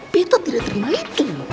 beto tidak terima itu